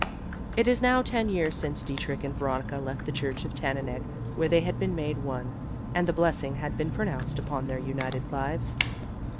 It is now ten years since Dietrich and Veronica left the church of Tannenegg where they had been made one, and the blessing had been pronounced upon their united lives.